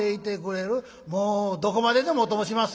「もうどこまででもお供しまっせ」。